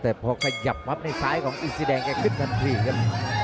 แต่พอขยับมัดในซ้ายของอินซีแดงแกขึ้นทันทีครับ